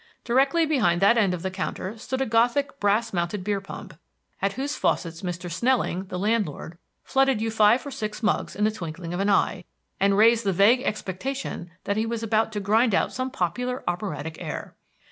Directly behind that end of the counter stood a Gothic brass mounted beer pump, at whose faucets Mr. Snelling, the landlord, flooded you five or six mugs in the twinkling of an eye, and raised the vague expectation that he was about to grind out some popular operatic air.